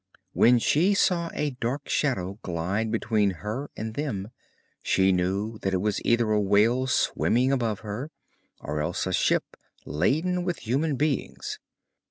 When she saw a dark shadow glide between her and them, she knew that it was either a whale swimming above her, or else a ship laden with human beings.